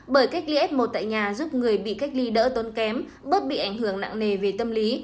bởi cách ly f một tại nhà giúp người bị cách ly đỡ tốn kém bớt bị ảnh hưởng nặng nề về tâm lý